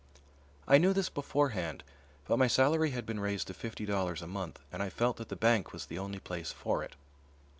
I knew this beforehand, but my salary had been raised to fifty dollars a month and I felt that the bank was the only place for it.